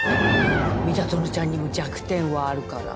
三田園ちゃんにも弱点はあるから。